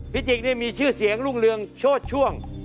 จิกนี่มีชื่อเสียงรุ่งเรืองโชดช่วง